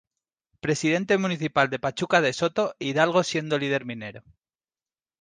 Presidente municipal de Pachuca de Soto, Hidalgo siendo líder minero.